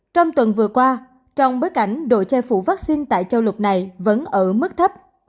trong tuần vừa qua trong bức ảnh đội che phủ vaccine tại châu lục này vẫn ở mức thấp